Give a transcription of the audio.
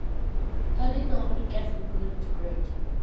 I didn't know how to get from good to great.